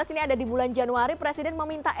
ini ada di bulan januari presiden meminta